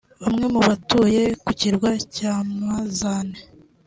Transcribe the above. Bamwe mu batuye ku kirwa cya Mazane